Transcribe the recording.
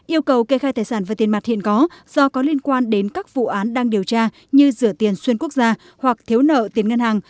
yêu cầu kê khai tài sản và tiền mặt hiện có do có liên quan đến các vụ án đang điều tra như rửa tiền xuyên quốc gia hoặc thiếu nợ tiền ngân hàng